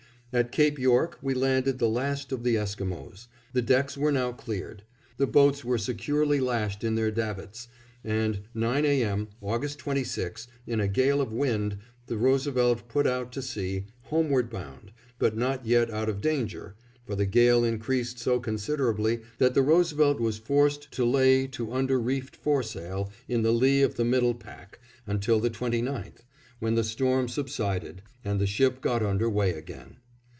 At Cape York we landed the last of the Esquimos. The decks were now cleared. The boats were securely lashed in their davits, and nine A. M., August 26, in a gale of wind, the Roosevelt put out to sea, homeward bound, but not yet out of danger, for the gale increased so considerably that the Roosevelt was forced to lay to under reefed foresail, in the lee of the middle pack, until the 29th, when the storm subsided and the ship got under way again.